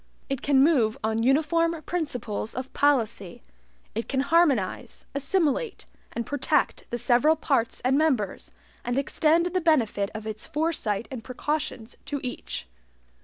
It can move on uniform principles of policy. It can harmonize, assimilate, and protect the several parts and members, and extend the benefit of its foresight and precautions to each.